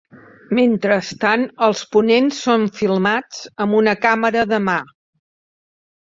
Mentrestant els ponents són filmats amb una càmera de mà.